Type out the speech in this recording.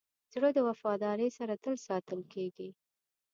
زړه د وفادارۍ سره تل ساتل کېږي.